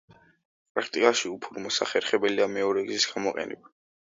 პრაქტიკაში უფორ მოსახერხებელია მეორე გზის გამოყენება.